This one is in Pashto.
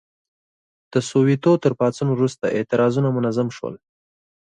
د سووېتو تر پاڅون وروسته اعتراضونه منظم شول.